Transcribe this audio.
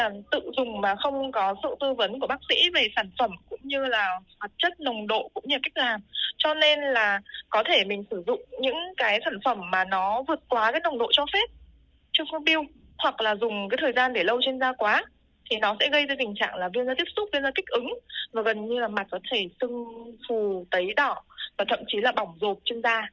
nếu dùng thời gian để lâu trên da quá nó sẽ gây ra tình trạng viêm da tiếp xúc viêm da kích ứng gần như mặt có thể sưng phù tấy đỏ thậm chí là bỏng rộp trên da